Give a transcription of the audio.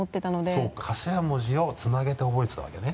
そうか頭文字をつなげて覚えてたわけね？